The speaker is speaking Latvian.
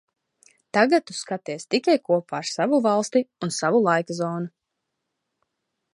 Tagad tu skaties tikai kopā ar savu valsti un savu laika zonu.